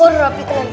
orang rapi tenan